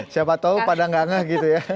siapa tahu pada nggak nge gitu ya